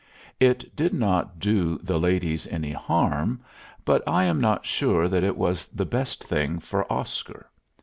It did not do the ladies any harm; but I am not sure that it was the best thing for Oscar.